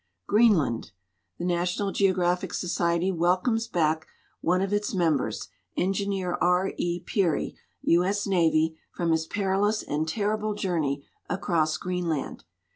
Gkeenland. The National Geographic Society welcomes back one of its members, Engineer R. E. Peary, U. S. Navy, from his perilous and terrible journey across Greenland.